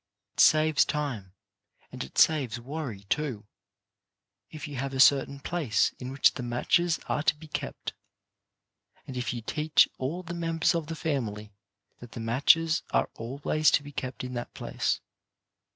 It saves time and it saves worry, too, if you have a certain place in which the matches are to be kept, and if you teach all the members of the family that the matches are always to be kept in that place.